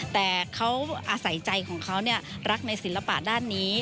แต่เขาอาศัยใจของเขารักในศิลปะด้านนี้